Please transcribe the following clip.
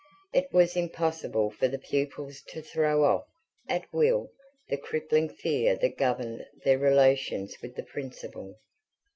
It was impossible for the pupils to throw off, at will, the crippling fear that governed their relations with the Principal.